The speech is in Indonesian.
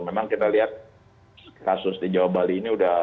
memang kita lihat kasus di jawa bali ini sudah